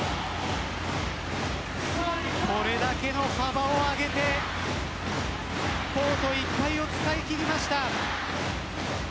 これだけの幅を上げてコートいっぱいを使い切りました。